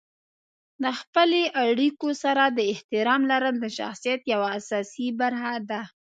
د خپلې اړیکو سره د احترام لرل د شخصیت یوه اساسي برخه ده.